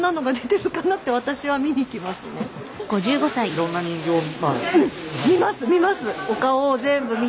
いろんな人形を。